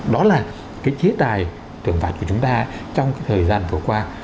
đó là cái chế tài xử phạt của chúng ta trong cái thời gian vừa qua